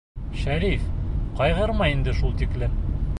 Шәриф, ҡайғырма инде шул тиклем!